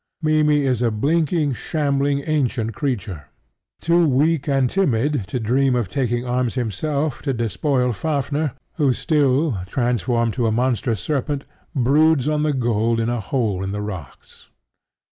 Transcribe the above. Mimmy is a blinking, shambling, ancient creature, too weak and timid to dream of taking arms himself to despoil Fafnir, who still, transformed to a monstrous serpent, broods on the gold in a hole in the rocks.